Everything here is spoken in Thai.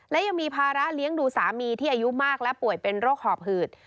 และยังมีภาระเลี้ยงดูสามีที่อายุมากและป่วยเป็นโรคหอบหืด